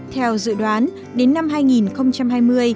theo dự đoán đến năm hai nghìn hai mươi